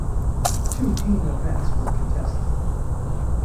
Two team events were contested.